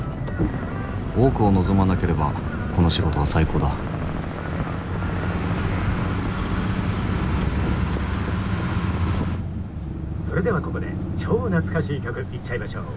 多くを望まなければこの仕事は最高だ「それではここで超懐かしい曲いっちゃいましょう。